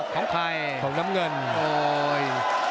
ของใครของน้ำเงินโอ้ย